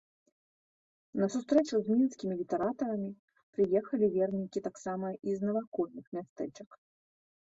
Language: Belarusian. На сустрэчу з мінскімі літаратарамі прыехалі вернікі таксама і з навакольных мястэчак.